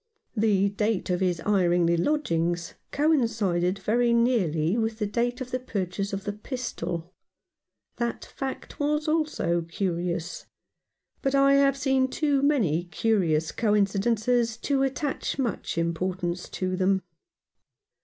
The date of his hiring the lodgings coincided very nearly with the date of the purchase of the pistol. That fact was also curious ; but I have seen too many curious coincidences to attach much importance to them.